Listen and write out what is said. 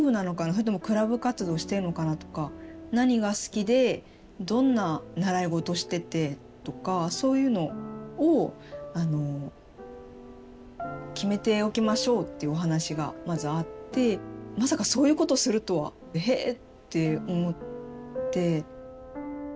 それともクラブ活動してるのかなとか何が好きでどんな習い事しててとかそういうのを決めておきましょうっていうお話がまずあってまさかそういうことをするとは「へぇ」って思って。